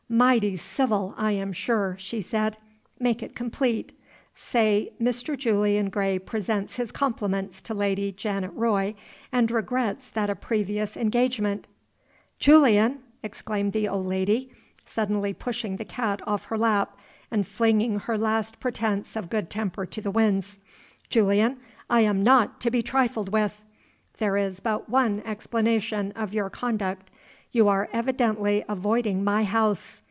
"Mighty civil, I am sure," she said. "Make it complete. Say, Mr. Julian Gray presents his compliments to Lady Janet Roy, and regrets that a previous engagement Julian!" exclaimed the old lady, suddenly pushing the cat off her lap, and flinging her last pretense of good temper to the winds "Julian, I am not to be trifled with! There is but one explanation of your conduct you are evidently avoiding my house.